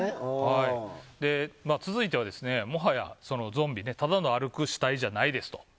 続いては、もはやゾンビただの歩く死体じゃないですと。